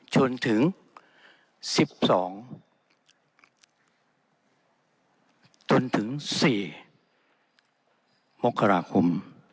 จนถึง๑๒จนถึง๔มกราคม